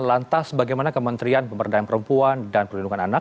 lantas bagaimana kementerian pemberdayaan perempuan dan perlindungan anak